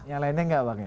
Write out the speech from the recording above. yang lainnya enggak bang